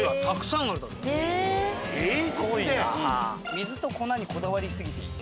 水と粉にこだわり過ぎている？